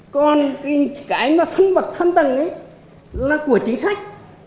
còn cái phân bậc phân tầng là của chính sách